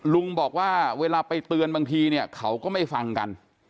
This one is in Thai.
ลุงบอกว่าเวลาไปเตือนบางทีเนี่ยเขาก็ไม่ฟังกัน